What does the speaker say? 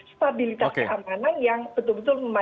stabilitas keamanan yang betul betul memada